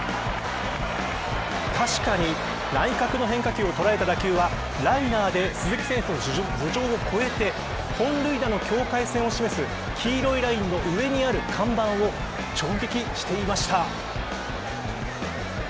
確かに、内角の変化球をとらえた打球はライナーで鈴木選手の頭上を越えて本塁打の境界線を示す黄色いラインの上にある看板を直撃していました。